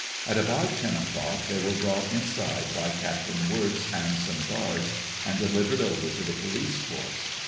At about ten o'clock they were brought inside by Capt. Wirtz and some guards, and delivered over to the police force.